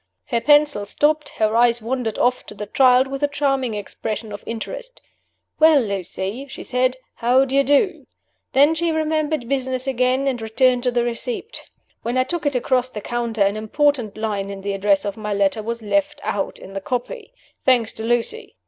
Her pencil stopped; her eyes wandered off to the child with a charming expression of interest. 'Well, Lucy,' she said, 'how d'ye do?' Then she remembered business again, and returned to her receipt. When I took it across the counter, an important line in the address of my letter was left out in the copy. Thanks to Lucy.